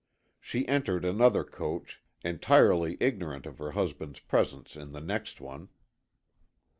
She entered another coach, entirely ignorant of her husband's presence in the next one.